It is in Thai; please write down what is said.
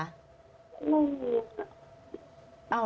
ไม่มีค่ะ